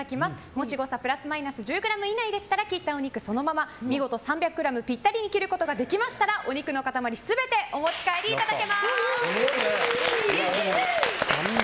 もし誤差プラスマイナス１０ｇ以内でしたら切ったお肉をそのまま見事３００ｇぴったりに切ることができましたらお肉の塊全てお持ち帰りいただけます。